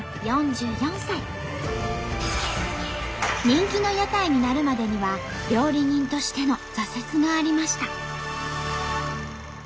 人気の屋台になるまでには料理人としての挫折がありました。